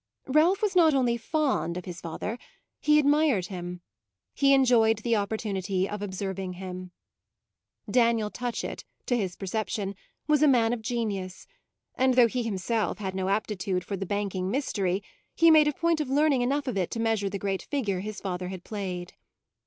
Ralph was not only fond of his father, he admired him he enjoyed the opportunity of observing him. Daniel Touchett, to his perception, was a man of genius, and though he himself had no aptitude for the banking mystery he made a point of learning enough of it to measure the great figure his father had played.